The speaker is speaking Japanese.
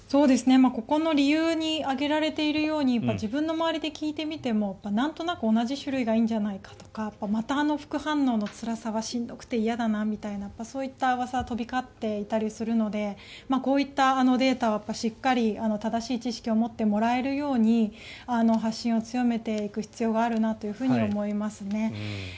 ここの理由に挙げられているように自分の周りで聞いてみてもなんとなく同じ種類のほうがいいんじゃないかとかまたあの副反応のつらさはしんどくて嫌だなみたいなうわさは飛び交っているのでこういったデータはしっかり正しい知識を持ってもらえるように発信を強めていく必要があるなと思いますね。